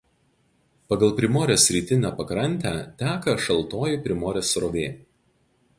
Pagal Primorės rytinę pakrantę teka šaltoji Primorės srovė.